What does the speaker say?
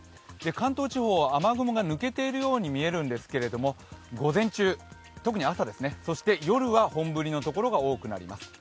関東地方、雨雲が抜けているように見えるんですけど午前中、特に朝ですね、そして夜は本降りのところが多くなります。